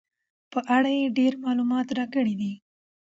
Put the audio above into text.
په اړه یې ډېر معلومات راکړي دي.